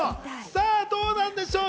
さぁ、どうなんでしょう。